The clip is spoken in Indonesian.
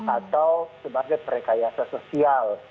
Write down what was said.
atau sebagai perkayasa sosial